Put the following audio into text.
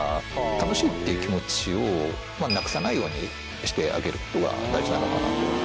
楽しいっていう気持ちをなくさないようにしてあげる事が大事なのかなと。